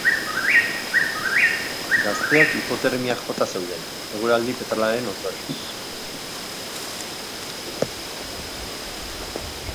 Gazteak hipotermiak jota zeuden, eguraldi petralaren ondorioz.